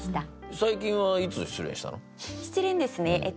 最近はいつ失恋したの？